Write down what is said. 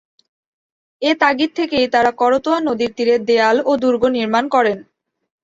এ তাগিদ থেকেই তারা করতোয়া নদীর তীরে দেয়াল ও দুর্গ নির্মাণ করেন।